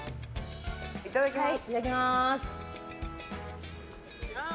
いただきます。